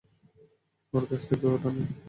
ওর কাছ থেকে ওটা নেও।